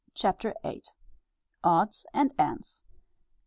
CHAPTER VIII. ODDS AND ENDS.